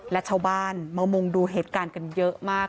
และชาวบ้านมามุงดูเหตุการณ์กันเยอะมาก